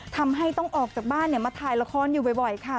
ทำให้ต้องออกจากบ้านมาถ่ายละครอยู่บ่อยค่ะ